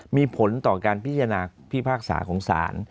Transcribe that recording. มีผลต่อการพิจารณาพิพากษาของศาล